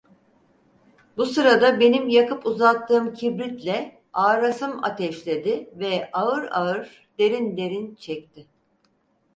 Bu sırada benim yakıp uzattığım kibritle ağarasım ateşledi ve ağır ağır, derin derin çekti.